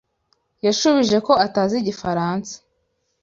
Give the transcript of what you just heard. Yashubije ko atazi Igifaransa.